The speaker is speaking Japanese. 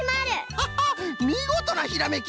ハハッみごとなひらめき。